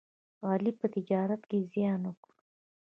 علي په تجارت کې زیان وکړ.